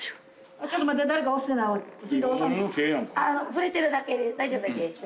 触れてるだけ大丈夫です。